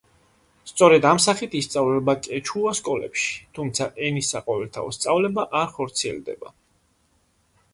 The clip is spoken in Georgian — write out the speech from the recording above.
სწორედ ამ სახით ისწავლება კეჩუა სკოლებში, თუმცა ენის საყოველთაო სწავლება არ ხორციელდება.